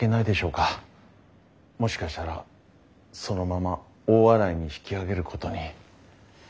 もしかしたらそのまま大洗に引き揚げることに。